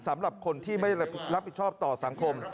สำหรับคนที่ไม่รับผิดชอบต่อสังคม